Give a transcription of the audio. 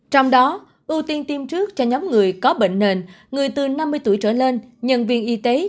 trong đó ưu tiên tiêm trước cho nhóm người có bệnh nền người từ năm mươi tuổi trở lên nhân viên y tế